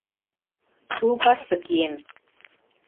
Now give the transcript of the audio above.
— Чулкаште киен.